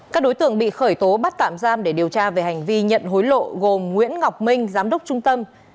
các đối tượng bị khởi tố bắt tạm giam để điều tra về hành vi nhận hối lộ gồm nguyễn ngọc minh giám đốc trung tâm